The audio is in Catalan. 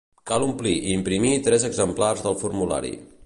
Cal omplir i imprimir tres exemplars del formulari.